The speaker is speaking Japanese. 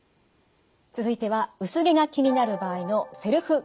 続いては薄毛が気になる場合のセルフケアです。